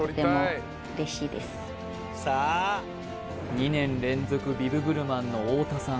２年連続ビブグルマンの太田さん